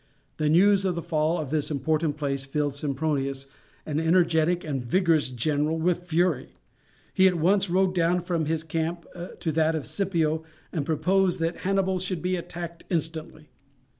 The news of the fall of this important place filled Sempronius, an energetic and vigorous general, with fury. He at once rode down from his camp to that of Scipio and proposed that Hannibal should be attacked instantly.